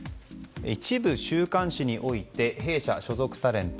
一部週刊誌において弊社所属タレント